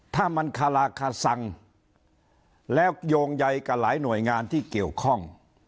ถ้ามันคาราคาซังแล้วโยงใยกับหลายหน่วยงานที่เกี่ยวข้อง